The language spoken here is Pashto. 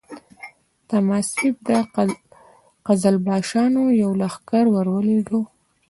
تهماسب د قزلباشانو یو لښکر ورولېږه.